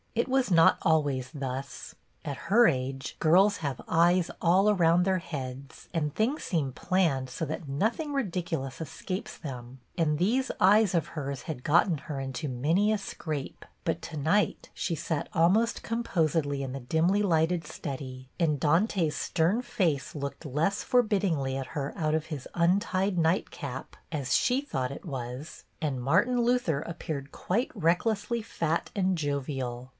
It was not always thus. At her age girls have eyes all around their heads, and things seem planned so that nothing ridicu lous escapes them, and these eyes of hers had got her into many a scrape ; but to night she sat almost composedly in the dimly lighted study, and Dante's stern face looked less forbiddingly at her out of his un tied night cap (as she thought it was), and Martin Luther appeared quite recklessly fat and jovial.